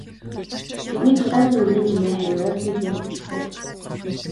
Тэдний тулааны нүргээн чимээ хавь ойрд нь цуурайтаж байсан гэдэг.